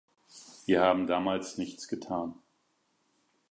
Wir haben damals nichts getan.